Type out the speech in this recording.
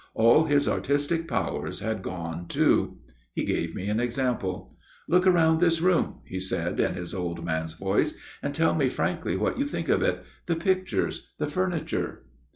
All his artistic powers had gone too. He gave me an example. "' Look round this room,' he said in his old man's voice, ' and tell me frankly what you think of it the pictures the furniture.'